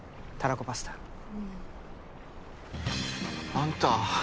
あんた。